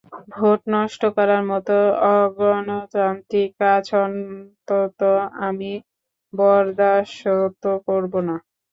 Vote নষ্ট করার মতো অগণতান্ত্রিক কাজ অন্তত আমি বরদাশত করব না।